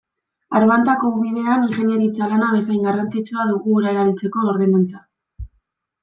Arbantako ubidean ingeniaritza lana bezain garrantzitsua dugu ura erabiltzeko ordenantza.